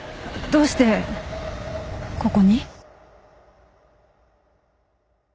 どうしてここに？